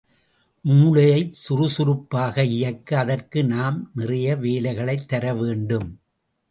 மூளையை சுறுசுறுப்பாக இயக்க, அதற்கு நாம் நிறைய வேலைகளைத் தரவேண்டும்.